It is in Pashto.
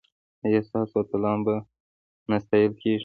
ایا ستاسو اتلان به نه ستایل کیږي؟